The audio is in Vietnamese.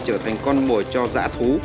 trở thành con mồi cho giả thú